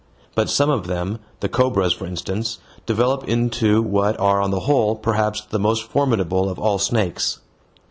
But some of them, the cobras for instance, develop into what are on the whole perhaps the most formidable of all snakes.